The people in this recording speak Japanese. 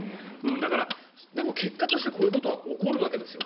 だから、結果としてこういうことが起こるわけですよ。